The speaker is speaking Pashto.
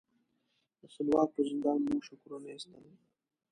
د سلواک په زندان مو شکرونه ایستل.